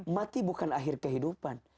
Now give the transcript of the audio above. mati bukan akhir kehidupan